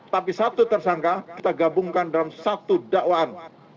tapi satu tersangka kita gabungkan dalam satu dakwaan